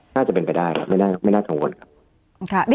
น่าจะเป็นไปได้ครับไม่น่ากังวลครับ